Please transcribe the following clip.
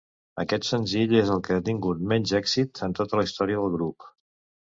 Aquest senzill és el que ha tingut menys èxit en tota la història del grup.